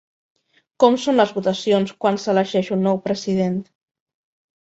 Com són les votacions quan s'elegeix un nou president?